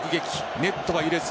ネットは揺れず。